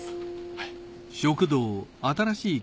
はい。